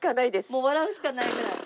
もう笑うしかないぐらい。